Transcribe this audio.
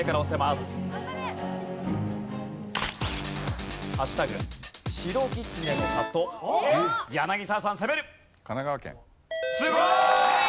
すごい！